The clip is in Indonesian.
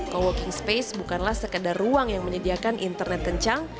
co working space bukanlah sekedar ruang yang menyediakan internet kencang